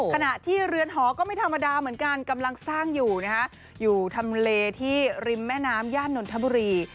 ขณะที่เรือนหอก็ไม่ธรรมดาเหมือนกันกำลังสร้างอยู่นะฮะอยู่ทำเลที่ริมแม่น้ำย่านนทบุรี